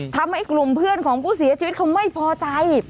ทำให้กลุ่มเพื่อนของผู้เสียชีวิตเขาไม่พอใจ